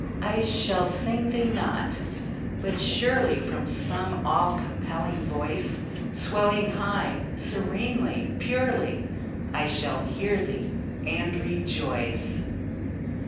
I shall sing thee not ; but surely From some all compelling voice Swelling high, serenely, purely, I shall hear thee and rejoice